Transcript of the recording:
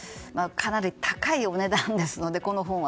かなり高いお値段ですのでこの本は。